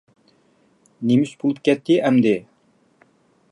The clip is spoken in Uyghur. نېمە ئىش بولۇپ كەتتى ئەمدى!